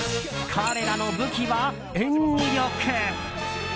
彼らの武器は、演技力。